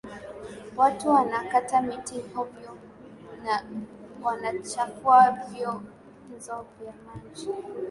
Watu wanakata miti hovyo na wanachafua vyanzo vya maji